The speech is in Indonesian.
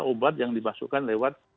obat yang dipasukkan lewat